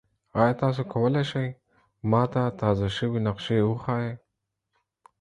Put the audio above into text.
ایا تاسو کولی شئ ما ته تازه شوي نقشې وښایئ؟